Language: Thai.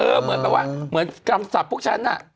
เออเหมือนกับว่าเหมือนกรรมศัพท์พวกฉันอ่ะ